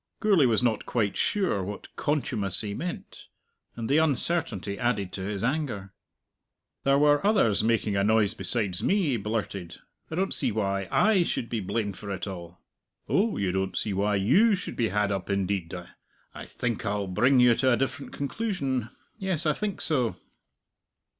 Gourlay was not quite sure what contumacy meant, and the uncertainty added to his anger. "There were others making a noise besides me," he blurted. "I don't see why I should be blamed for it all." "Oh, you don't see why you should be had up, indeed? I think we'll bring you to a different conclusion. Yes, I think so."